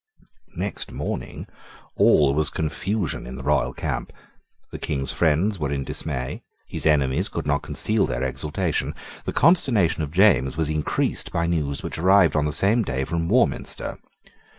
Next morning all was confusion in the royal camp. The King's friends were in dismay. His enemies could not conceal their exultation. The consternation of James was increased by news which arrived on the same day from Warminster.